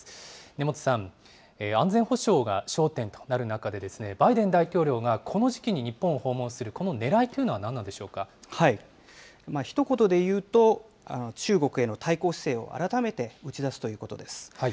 根本さん、安全保障が焦点となる中で、バイデン大統領がこの時期に日本を訪問する、このねらいとひと言で言うと、中国への対抗姿勢を改めて打ち出すということです。